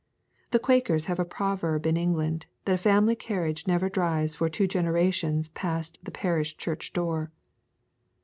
The Quakers have a proverb in England that a family carriage never drives for two generations past the parish church door.